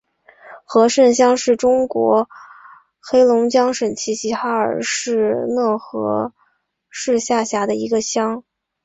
和盛乡是中国黑龙江省齐齐哈尔市讷河市下辖的一个乡。